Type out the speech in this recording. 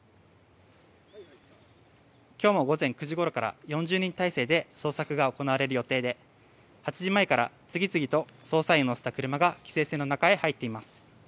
今日も午前９時ごろから４０人態勢で捜索が行われる予定で８時前から次々と捜査員を乗せた車が規制線の中へ入っています。